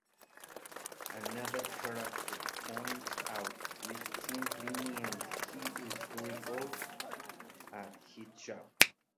Another character points out this simply means he is very good at his job.